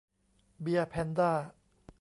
เบียร์แพนด้า !